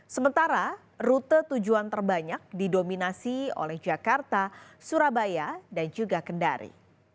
sementara rute tujuan terbanyak didominasi oleh jakarta surabaya dan juga kendari